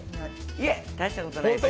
いえ、大したことないです。